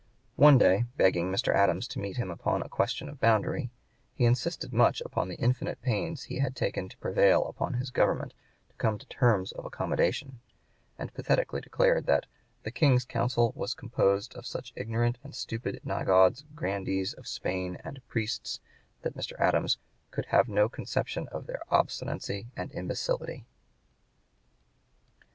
One day, begging Mr. Adams to meet him upon a question of boundary, "he insisted much upon the infinite pains he had taken to prevail upon his government to come to terms of accommodation," and pathetically declared that "the King's Council was composed (p. 112) of such ignorant and stupid nigauds, grandees of Spain, and priests," that Mr. Adams "could have no conception of their obstinacy and imbecility."